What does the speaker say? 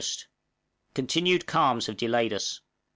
_ Continued calms have delayed us.